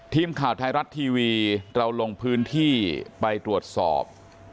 ทีมข่าวไทยรัฐทีวีเราลงพื้นที่ไปตรวจสอบ